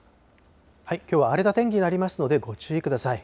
きょうは荒れた天気になりますので、ご注意ください。